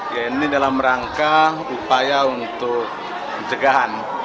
ya ini dalam rangka upaya untuk pencegahan